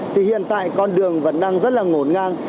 thì hiện tại con đường vẫn đang rất là ngổn ngang